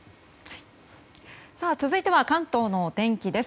続いては関東のお天気です。